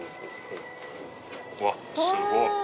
うわすごい。